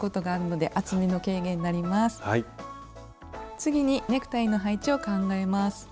次にネクタイの配置を考えます。